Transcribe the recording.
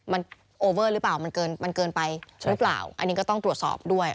มันโอเวอร์หรือเปล่ามันเกินมันเกินไปหรือเปล่าอันนี้ก็ต้องตรวจสอบด้วย